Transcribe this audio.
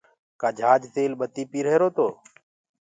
ڪآ جھآجِ تيل ٻتي پيٚريهرو تو